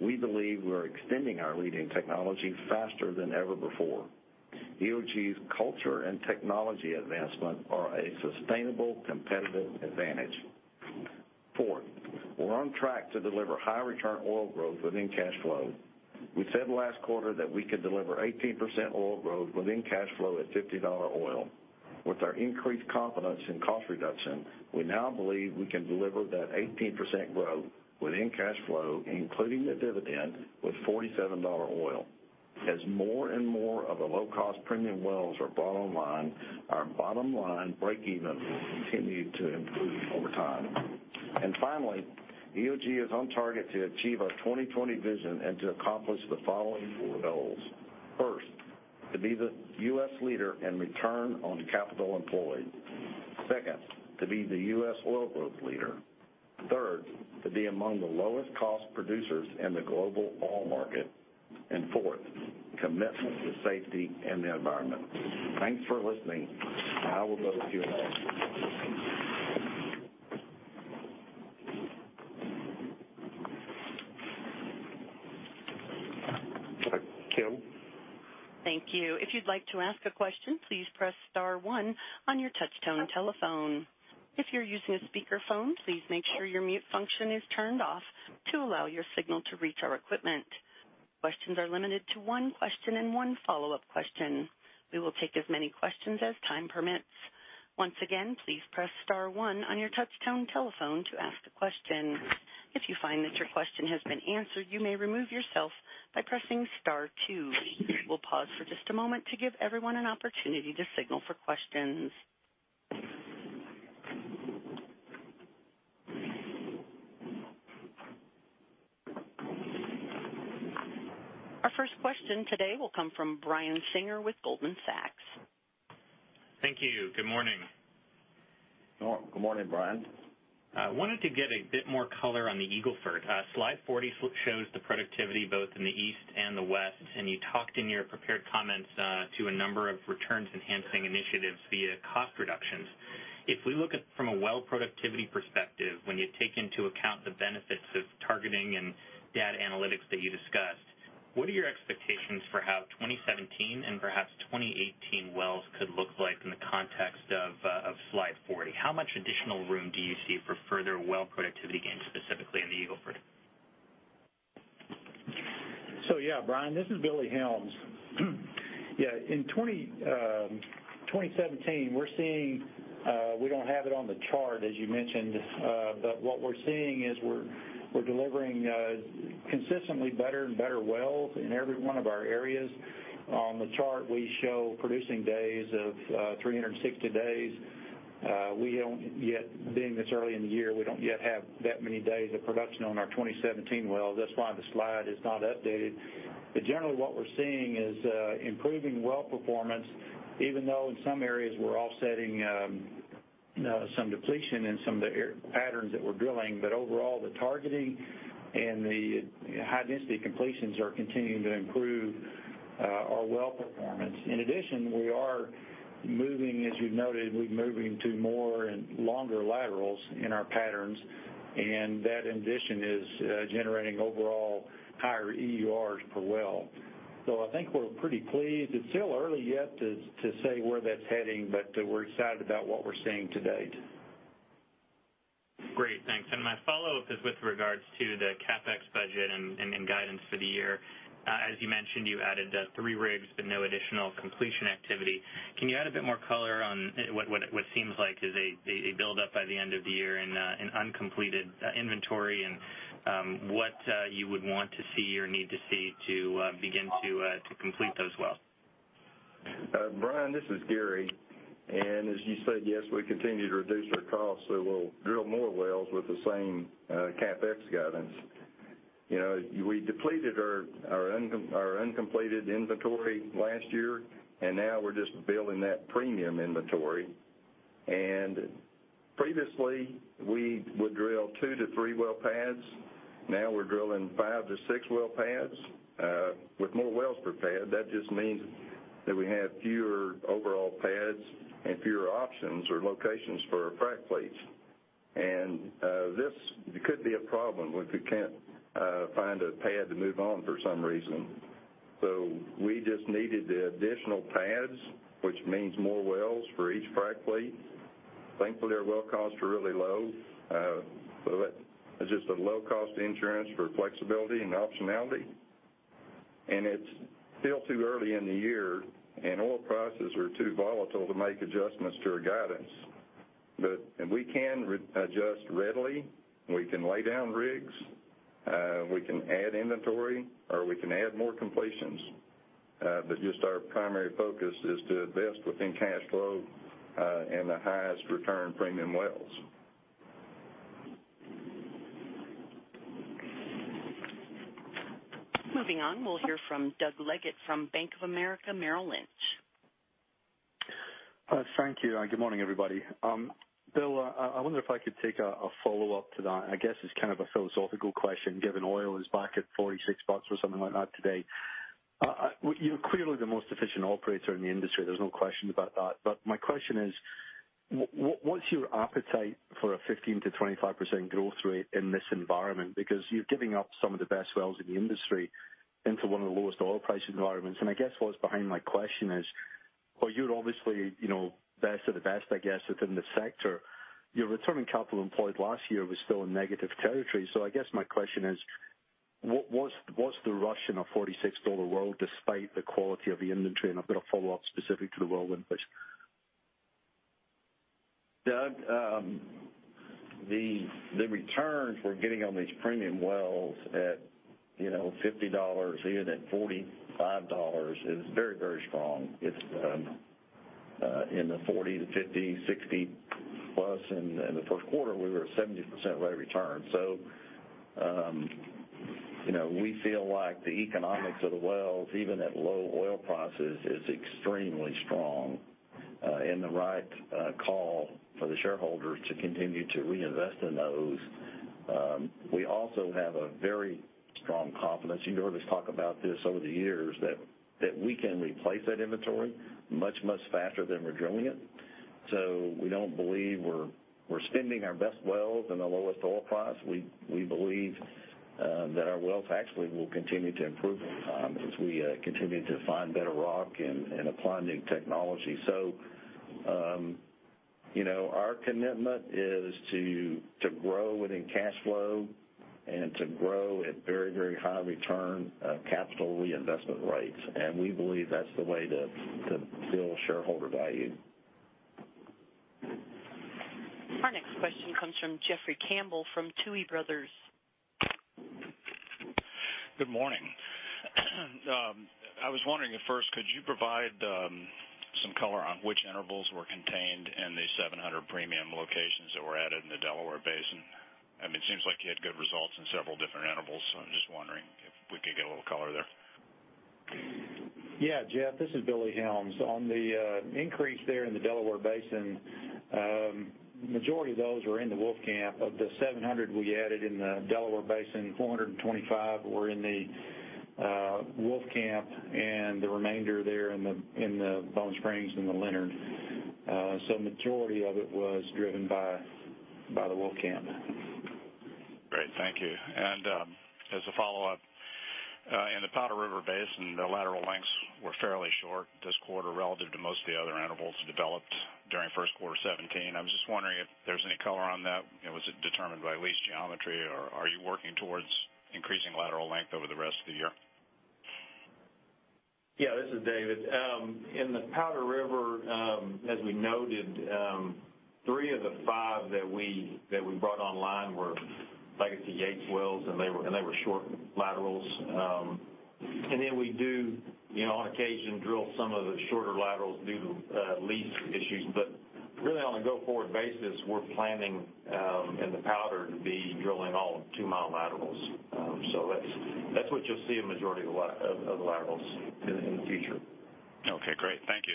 We believe we are extending our leading technology faster than ever before. EOG's culture and technology advancement are a sustainable competitive advantage. Fourth, we're on track to deliver high return oil growth within cash flow. We said last quarter that we could deliver 18% oil growth within cash flow at $50 oil. With our increased confidence in cost reduction, we now believe we can deliver that 18% growth within cash flow, including the dividend, with $47 oil. Finally, EOG is on target to achieve our 2020 vision and to accomplish the following four goals. First, to be the U.S. leader in Return on Capital Employed. Second, to be the U.S. oil growth leader. Third, to be among the lowest cost producers in the global oil market. Fourth, commitment to safety and the environment. Thanks for listening. Now we'll go to Q&A. Kim? Thank you. If you'd like to ask a question, please press star one on your touchtone telephone. If you're using a speakerphone, please make sure your mute function is turned off to allow your signal to reach our equipment. Questions are limited to one question and one follow-up question. We will take as many questions as time permits. Once again, please press star one on your touchtone telephone to ask a question. If you find that your question has been answered, you may remove yourself by pressing star two. We'll pause for just a moment to give everyone an opportunity to signal for questions. Our first question today will come from Brian Singer with Goldman Sachs. Thank you. Good morning. Good morning, Brian. I wanted to get a bit more color on the Eagle Ford. Slide 40 shows the productivity both in the east and the west. You talked in your prepared comments to a number of returns-enhancing initiatives via cost reductions. If we look at it from a well productivity perspective, when you take into account the benefits of targeting and data analytics that you discussed, what are your expectations for how 2017 and perhaps 2018 wells could look like in the context of slide 40? How much additional room do you see for further well productivity gains, specifically in the Eagle Ford? Brian, this is Billy Helms. In 2017, we don't have it on the chart as you mentioned, what we're seeing is we're delivering consistently better and better wells in every one of our areas. On the chart, we show producing days of 360 days. Being this early in the year, we don't yet have that many days of production on our 2017 wells. That's why the slide is not updated. Generally what we're seeing is improving well performance, even though in some areas we're offsetting some depletion in some of the patterns that we're drilling. Overall, the targeting and the high-density completions are continuing to improve our well performance. In addition, we are moving, as you noted, we're moving to more and longer laterals in our patterns, and that addition is generating overall higher EURs per well. I think we're pretty pleased. It's still early yet to say where that's heading, but we're excited about what we're seeing to date. Great, thanks. My follow-up is with regards to the CapEx budget and guidance for the year. As you mentioned, you added the three rigs, but no additional completion activity. Can you add a bit more color on what seems like is a build-up by the end of the year in uncompleted inventory and what you would want to see or need to see to begin to complete those wells? Brian, this is Gary. As you said, yes, we continue to reduce our costs, so we'll drill more wells with the same CapEx guidance. We depleted our uncompleted inventory last year, and now we're just building that premium inventory. Previously, we would drill two to three well pads. Now we're drilling five to six well pads. With more wells per pad, that just means that we have fewer overall pads and fewer options or locations for our frac fleets. This could be a problem if we can't find a pad to move on for some reason. We just needed the additional pads, which means more wells for each frac fleet. Thankfully, our well costs are really low. It's just a low-cost insurance for flexibility and optionality. It's still too early in the year, and oil prices are too volatile to make adjustments to our guidance. We can adjust readily. We can lay down rigs. We can add inventory, or we can add more completions. Just our primary focus is to invest within cash flow, and the highest return premium wells. Moving on, we'll hear from Doug Leggate from Bank of America Merrill Lynch. Thank you. Good morning, everybody. Bill, I wonder if I could take a follow-up to that. I guess it's kind of a philosophical question, given oil is back at $46 or something like that today. You're clearly the most efficient operator in the industry. There's no question about that. My question is, what's your appetite for a 15%-25% growth rate in this environment? You're giving up some of the best wells in the industry into one of the lowest oil price environments. I guess what's behind my question is, while you're obviously best of the best, I guess, within the sector, your Return on Capital Employed last year was still in negative territory. I guess my question is, what's the rush in a $46 oil world despite the quality of the inventory? I've got a follow-up specific to the well inputs. Doug, the returns we're getting on these premium wells at $50, even at $45 is very, very strong. It's in the 40%-50%, 60%+. In the first quarter, we were at 70% rate of return. We feel like the economics of the wells, even at low oil prices, is extremely strong, and the right call for the shareholders to continue to reinvest in those. We also have a very strong confidence, you've heard us talk about this over the years, that we can replace that inventory much, much faster than we're drilling it. We don't believe we're spending our best wells in the lowest oil price. We believe that our wells actually will continue to improve over time as we continue to find better rock and apply new technology. Our commitment is to grow within cash flow and to grow at very, very high return on capital reinvestment rates. We believe that's the way to build shareholder value. Our next question comes from Jeffrey Campbell from Tuohy Brothers. Good morning. I was wondering at first, could you provide some color on which intervals were contained in the 700 premium locations that were added in the Delaware Basin? It seems like you had good results in several different intervals, so I'm just wondering if we could get a little color there. Yeah, Jeff, this is Billy Helms. On the increase there in the Delaware Basin, majority of those were in the Wolfcamp. Of the 700 we added in the Delaware Basin, 425 were in the Wolfcamp, and the remainder there in the Bone Springs and the Leonard. Majority of it was driven by the Wolfcamp. Great. Thank you. As a follow-up, in the Powder River Basin, the lateral length short this quarter relative to most of the other intervals developed during first quarter 2017. I was just wondering if there's any color on that. Was it determined by lease geometry, or are you working towards increasing lateral length over the rest of the year? Yeah, this is David. In the Powder River, as we noted, three of the five that we brought online were legacy Yates wells, they were short laterals. Then we do, on occasion, drill some of the shorter laterals due to lease issues. Really, on a go-forward basis, we're planning in the Powder to be drilling all 2-mile laterals. That's what you'll see in a majority of the laterals in the future. Okay, great. Thank you.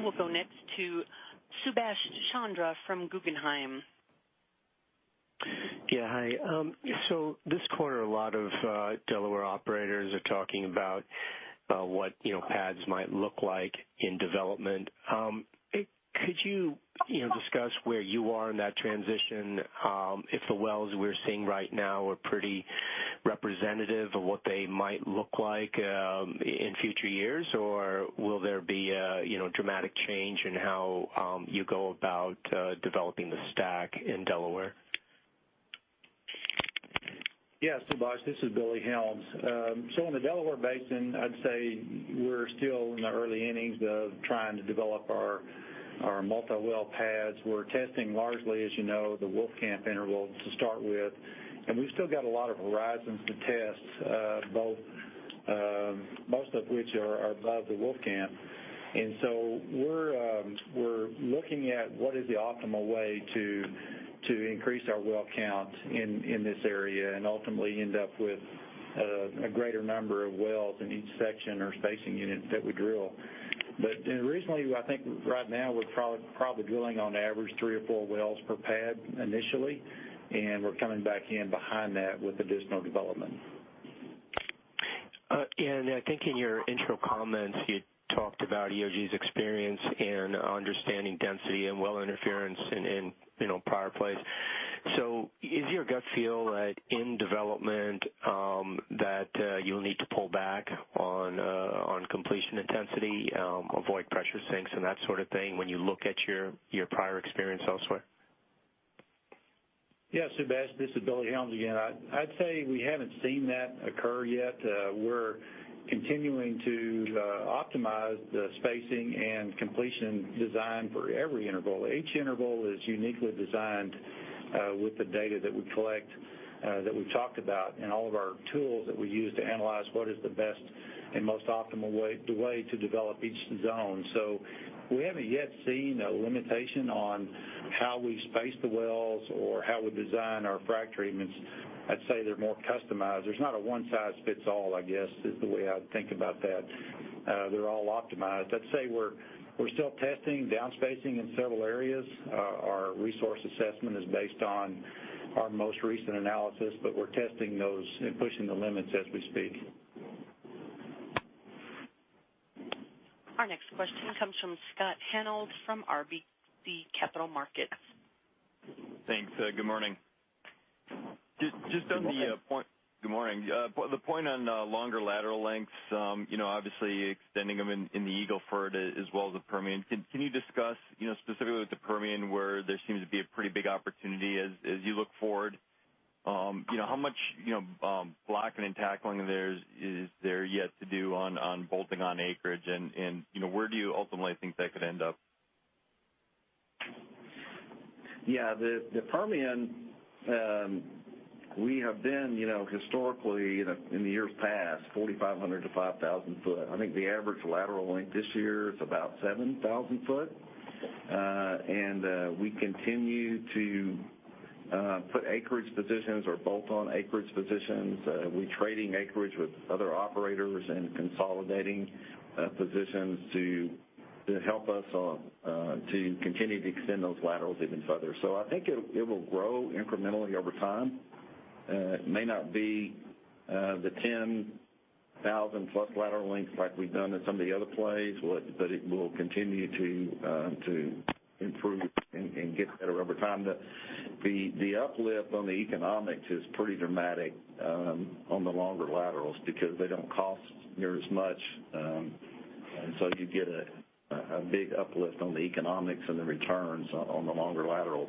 We'll go next to Subash Chandra from Guggenheim. Yeah, hi. This quarter, a lot of Delaware operators are talking about what pads might look like in development. Could you discuss where you are in that transition? If the wells we're seeing right now are pretty representative of what they might look like in future years, or will there be a dramatic change in how you go about developing the stack in Delaware? Yes, Subash. This is Billy Helms. In the Delaware Basin, I'd say we're still in the early innings of trying to develop our multi-well pads. We're testing largely, as you know, the Wolfcamp interval to start with, and we've still got a lot of horizons to test, most of which are above the Wolfcamp. We're looking at what is the optimal way to increase our well count in this area and ultimately end up with a greater number of wells in each section or spacing unit that we drill. Reasonably, I think right now we're probably drilling on average three or four wells per pad initially, and we're coming back in behind that with additional development. I think in your intro comments, you talked about EOG's experience in understanding density and well interference in prior plays. Is your gut feel that in development that you'll need to pull back on completion intensity, avoid pressure sinks, and that sort of thing when you look at your prior experience elsewhere? Yeah, Subash. This is Billy Helms again. I'd say we haven't seen that occur yet. We're continuing to optimize the spacing and completion design for every interval. Each interval is uniquely designed with the data that we collect, that we've talked about, and all of our tools that we use to analyze what is the best and most optimal way to develop each zone. We haven't yet seen a limitation on how we space the wells or how we design our frac treatments. I'd say they're more customized. There's not a one size fits all, I guess, is the way I'd think about that. They're all optimized. I'd say we're still testing down-spacing in several areas. Our resource assessment is based on our most recent analysis, we're testing those and pushing the limits as we speak. Our next question comes from Scott Hanold from RBC Capital Markets. Thanks. Good morning. You're welcome. Good morning. The point on longer lateral lengths, obviously extending them in the Eagle Ford as well as the Permian. Can you discuss specifically with the Permian, where there seems to be a pretty big opportunity as you look forward? How much blocking and tackling is there yet to do on bolting on acreage, and where do you ultimately think that could end up? Yeah. The Permian, we have been historically, in the years past, 4,500 to 5,000 foot. I think the average lateral length this year is about 7,000 foot. We continue to put acreage positions or bolt on acreage positions. We're trading acreage with other operators and consolidating positions to help us to continue to extend those laterals even further. I think it will grow incrementally over time. It may not be the 10,000-plus lateral lengths like we've done in some of the other plays, it will continue to improve and get better over time. The uplift on the economics is pretty dramatic on the longer laterals because they don't cost near as much. You get a big uplift on the economics and the returns on the longer laterals.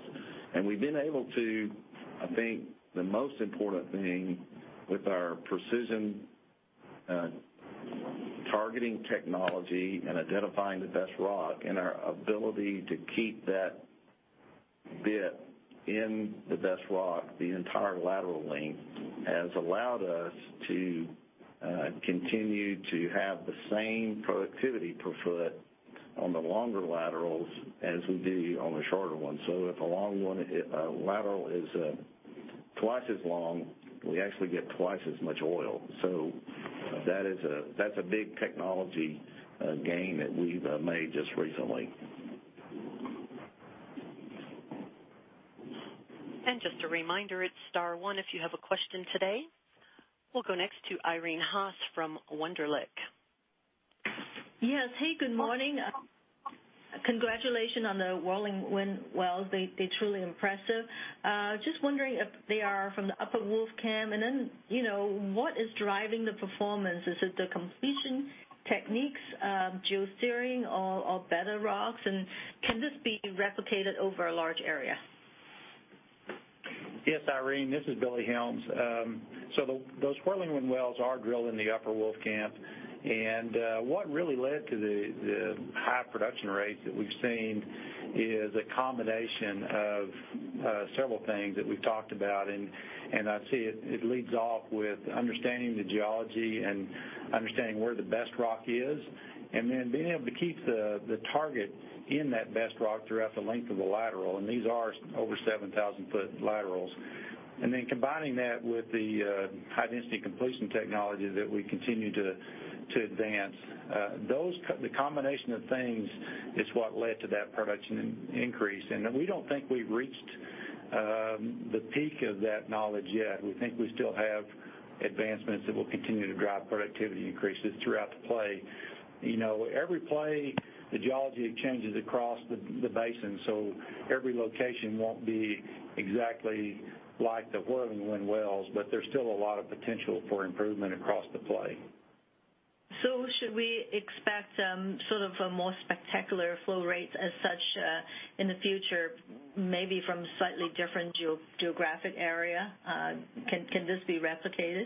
We've been able to, I think the most important thing with our Precision Targeting technology and identifying the best rock, and our ability to keep that bit in the best rock the entire lateral length, has allowed us to continue to have the same productivity per foot on the longer laterals as we do on the shorter ones. If a long one lateral is twice as long, we actually get twice as much oil. That's a big technology gain that we've made just recently. Just a reminder, it's star one if you have a question today. We'll go next to Irene Haas from Wunderlich. Yes. Hey, good morning. Congratulations on the Whirling Wind wells. They're truly impressive. Just wondering if they are from the Upper Wolfcamp, what is driving the performance? Is it the completion techniques, geo-steering, or better rocks, can this be replicated over a large area? Yes, Irene, this is Billy Helms. Those Whirling Wind wells are drilled in the Upper Wolfcamp. What really led to the high production rates that we've seen is a combination of several things that we've talked about, I'd say it leads off with understanding the geology and understanding where the best rock is, then being able to keep the target in that best rock throughout the length of the lateral. These are over 7,000-foot laterals. Combining that with the high-density completion technology that we continue to advance. The combination of things is what led to that production increase. We don't think we've reached the peak of that knowledge yet. We think we still have advancements that will continue to drive productivity increases throughout the play. Every play, the geology changes across the basin, every location won't be exactly like the Whirling Wind wells, there's still a lot of potential for improvement across the play. Should we expect sort of a more spectacular flow rates as such in the future, maybe from slightly different geographic area? Can this be replicated?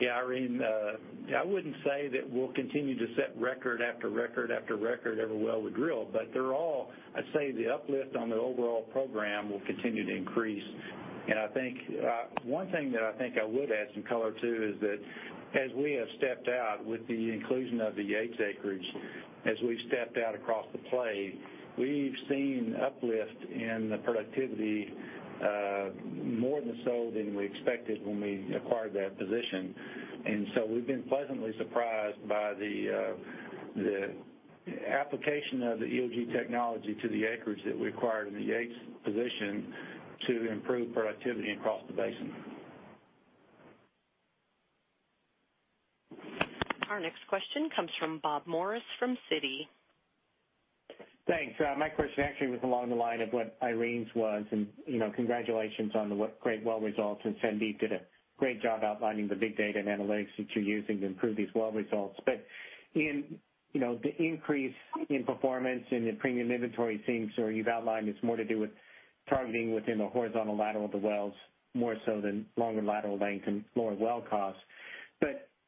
Yeah, Irene. I wouldn't say that we'll continue to set record after record after record every well we drill. I'd say the uplift on the overall program will continue to increase. One thing that I think I would add some color to is that as we have stepped out with the inclusion of the Yates acreage, as we've stepped out across the play, we've seen uplift in the productivity more so than we expected when we acquired that position. We've been pleasantly surprised by the application of the EOG technology to the acreage that we acquired in the Yates position to improve productivity across the basin. Our next question comes from Bob Morris from Citi. Thanks. My question actually was along the line of what Irene's was. Congratulations on the great well results, and Sandeep did a great job outlining the big data and analytics that you're using to improve these well results. In the increase in performance in the premium inventory seems, or you've outlined, it's more to do with targeting within the horizontal lateral of the wells, more so than longer lateral length and lower well cost.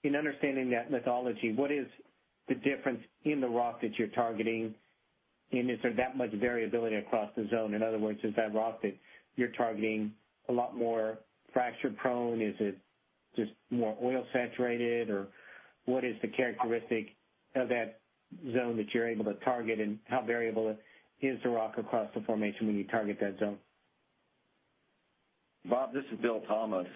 In understanding that lithology, what is the difference in the rock that you're targeting, and is there that much variability across the zone? In other words, is that rock that you're targeting a lot more fracture prone? Is it just more oil saturated, or what is the characteristic of that zone that you're able to target, and how variable is the rock across the formation when you target that zone? Bob, this is Bill Thomas.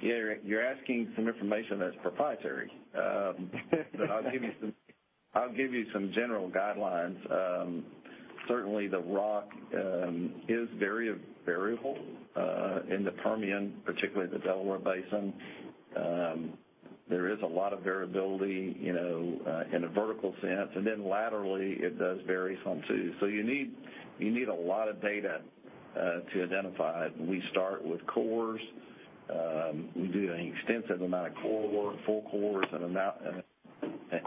You're asking some information that's proprietary. I'll give you some general guidelines. Certainly, the rock is variable in the Permian, particularly the Delaware Basin. There is a lot of variability in a vertical sense, and then laterally, it does vary some, too. You need a lot of data to identify it, and we start with cores. We do an extensive amount of core work, full cores, and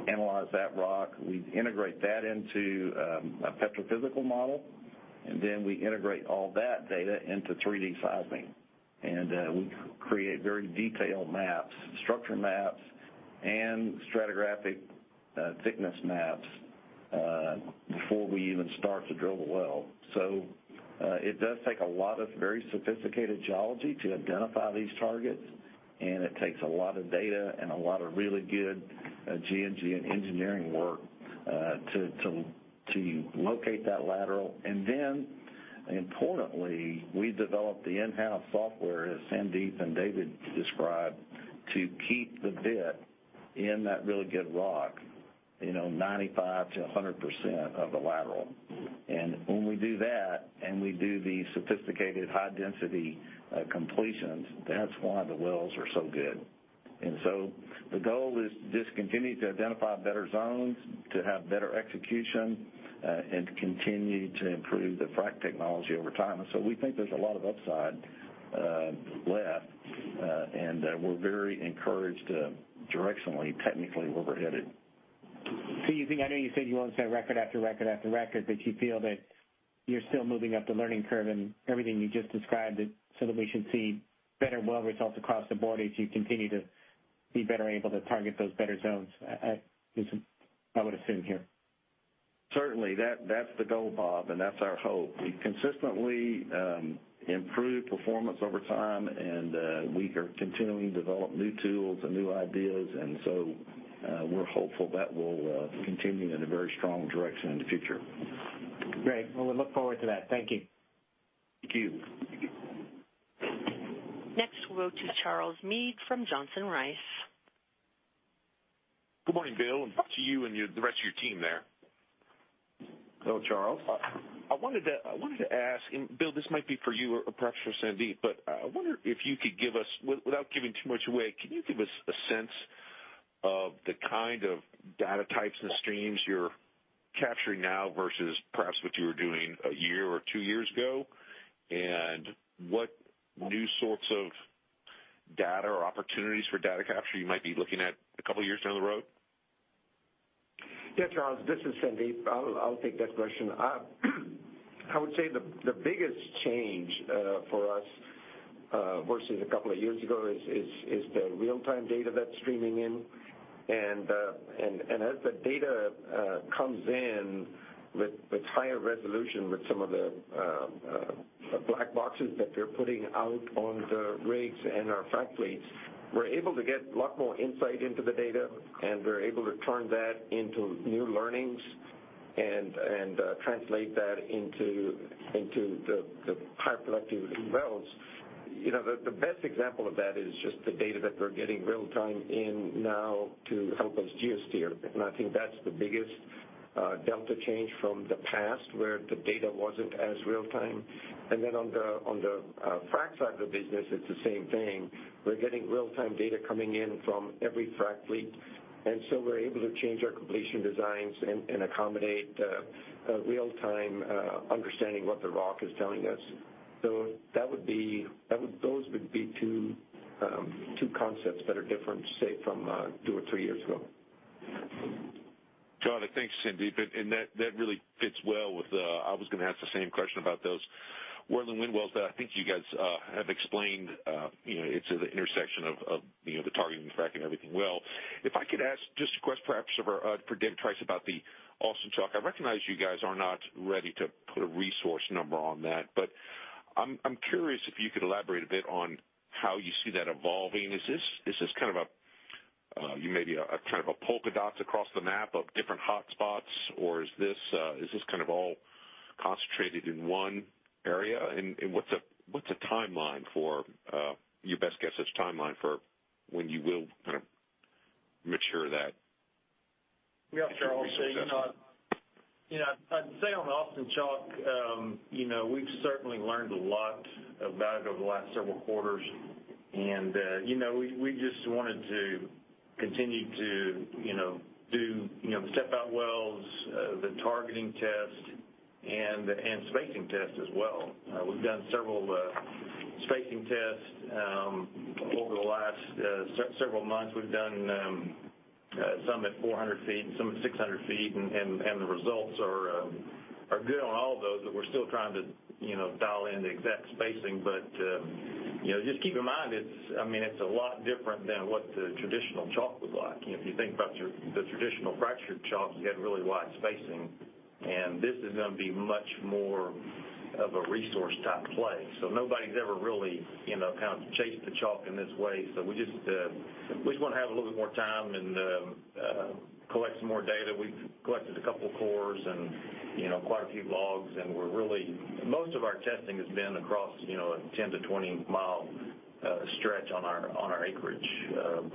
analyze that rock. We integrate that into a petrophysical model, and then we integrate all that data into 3D seismic. We create very detailed maps, structure maps, and stratigraphic thickness maps before we even start to drill the well. It does take a lot of very sophisticated geology to identify these targets, and it takes a lot of data and a lot of really good G&G and engineering work to locate that lateral. Importantly, we developed the in-house software, as Sandeep and David described, to keep the bit in that really good rock 95%-100% of the lateral. When we do that and we do the sophisticated high-density completions, that's why the wells are so good. The goal is just continue to identify better zones, to have better execution, and to continue to improve the frack technology over time. We think there's a lot of upside left, and we're very encouraged directionally, technically, where we're headed. I know you said you won't set record after record after record, but you feel that you're still moving up the learning curve and everything you just described, that we should see better well results across the board as you continue to be better able to target those better zones, I would assume here. Certainly. That's the goal, Bob, and that's our hope. We've consistently improved performance over time, we are continuing to develop new tools and new ideas, we're hopeful that will continue in a very strong direction in the future. Great. Well, we look forward to that. Thank you. Thank you. Next, we'll go to Charles Meade from Johnson Rice. Good morning, Bill, and to you and the rest of your team there. Go, Charles. I wanted to ask, and Bill, this might be for you or perhaps for Sandeep, but I wonder if you could give us, without giving too much away, can you give us a sense of the kind of data types and streams you're capturing now versus perhaps what you were doing a year or two years ago? What new sorts of data or opportunities for data capture you might be looking at a couple of years down the road? Charles, this is Sandeep. I'll take that question. I would say the biggest change for us versus 2 years ago is the real-time data that's streaming in. As the data comes in with higher resolution with some of the black boxes that we're putting out on the rigs and our frac fleets, we're able to get a lot more insight into the data, and we're able to turn that into new learnings and translate that into the high productivity wells. The best example of that is just the data that we're getting real time in now to help us geo-steer. I think that's the biggest delta change from the past where the data wasn't as real time. On the frac side of the business, it's the same thing. We're getting real-time data coming in from every frac fleet, we're able to change our completion designs and accommodate real time understanding what the rock is telling us. Those would be 2 concepts that are different, say from 2 or 3 years ago. Got it. Thanks, Sandeep. That really fits well with I was going to ask the same question about those Whirling Wind wells that I think you guys have explained. It's at the intersection of the targeting, the fracking, everything well. If I could ask just a question perhaps for Dave Trice about the Austin Chalk. I recognize you guys are not ready to put a resource number on that, but I'm curious if you could elaborate a bit on how you see that evolving. Is this maybe a polka dots across the map of different hotspots, or is this all concentrated in one area? What's a timeline for your best guess as timeline for when you will mature that? Yeah. Charles, I'd say on Austin Chalk, we've certainly learned a lot about it over the last several quarters. We just wanted to continue to do the step-out wells, the targeting test, and spacing test as well. We've done several spacing tests over the last several months. We've done some at 400 feet and some at 600 feet, and the results are good on all of those, but we're still trying to dial in the exact spacing. Just keep in mind, it's a lot different than what the traditional chalk was like. If you think about the traditional fractured chalks, you had really wide spacing, and this is going to be much more of a resource type play. Nobody's ever really chased the chalk in this way. We just want to have a little bit more time and collect some more data. We've collected a couple cores and quite a few logs. Most of our testing has been across a 10 to 20 mile stretch on our acreage. In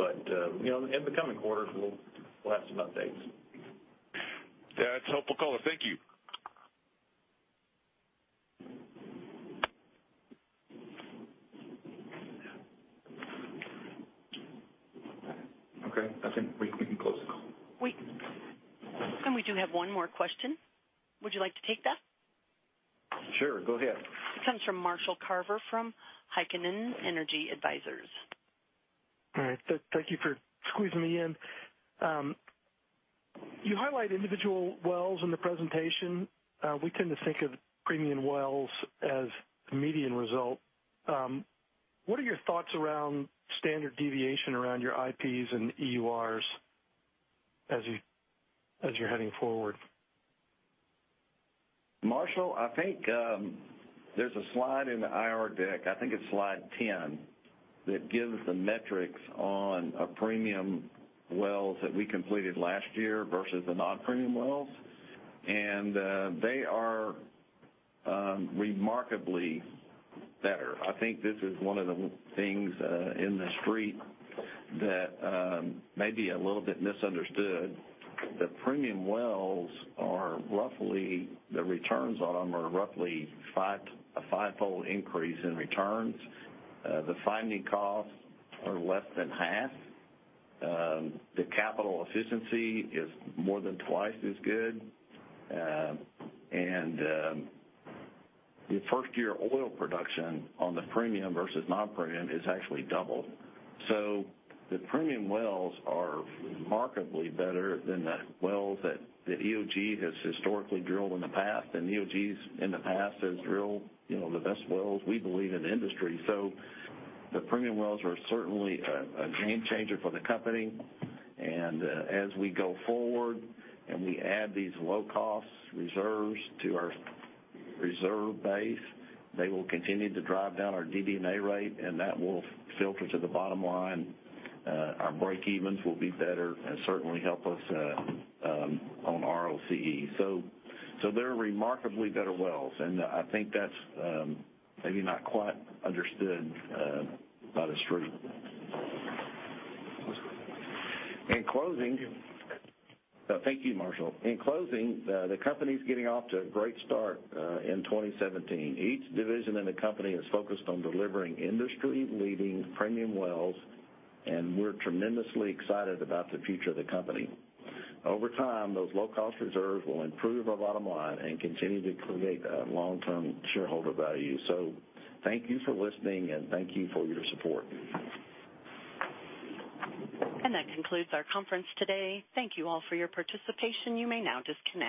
the coming quarters, we'll have some updates. Yeah, that's a helpful color. Thank you. Okay. I think we can close the call. Wait. We do have one more question. Would you like to take that? Sure. Go ahead. It comes from Marshall Carver from Heikkinen Energy Advisors. All right. Thank you for squeezing me in. You highlight individual wells in the presentation. We tend to think of premium wells as the median result. What are your thoughts around standard deviation around your IPs and EURs as you're heading forward? Marshall, I think there's a slide in the IR deck, I think it's slide 10, that gives the metrics on our premium wells that we completed last year versus the non-premium wells. They are remarkably better. I think this is one of the things in the street that may be a little bit misunderstood. The premium wells, the returns on them are roughly a fivefold increase in returns. The finding costs are less than half. The capital efficiency is more than twice as good. The first-year oil production on the premium versus non-premium is actually double. The premium wells are remarkably better than the wells that EOG has historically drilled in the past. EOGs in the past has drilled the best wells, we believe, in the industry. The premium wells are certainly a game changer for the company. As we go forward and we add these low-cost reserves to our reserve base, they will continue to drive down our DD&A rate, and that will filter to the bottom line. Our breakevens will be better and certainly help us on ROCE. They're remarkably better wells, and I think that's maybe not quite understood by the street. Thank you, Marshall. In closing, the company's getting off to a great start in 2017. Each division in the company is focused on delivering industry-leading premium wells, and we're tremendously excited about the future of the company. Over time, those low-cost reserves will improve our bottom line and continue to create long-term shareholder value. Thank you for listening, and thank you for your support. That concludes our conference today. Thank you all for your participation. You may now disconnect.